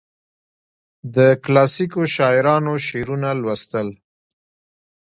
د کلاسیکو شاعرانو شعرونه لوستل.